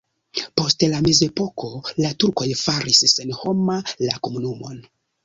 Post la mezepoko la turkoj faris senhoma la komunumon.